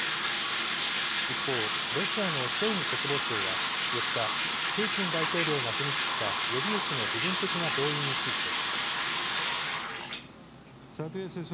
一方、ロシアのショイグ国防相は４日、プーチン大統領が踏み切った予備役の部分的な動員について。